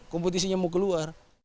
kompetisinya mau keluar